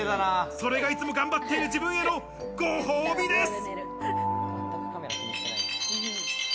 それがいつも頑張っている自分へのご褒美です。